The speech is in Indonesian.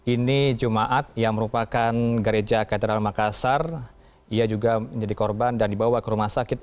ini jemaat yang merupakan gereja katedral makassar ia juga menjadi korban dan dibawa ke rumah sakit